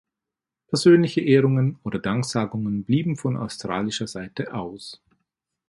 Persönliche Ehrungen oder Danksagungen blieben von australischer Seite aus.